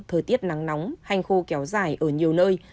thời tiết nắng nóng hành khô kéo dài ở nhiều nơi